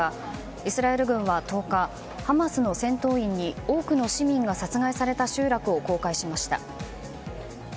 イスラエル軍は１０日ハマスの戦闘員に多くの市民が殺害された集落を公開しました。